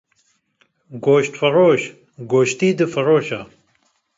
Goşt firoş, goştî difiroşe